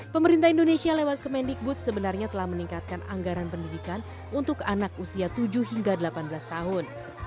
pemerintah indonesia lewat kemendikbud sebenarnya telah meningkatkan anggaran pendidikan untuk anak usia tujuh hingga delapan belas tahun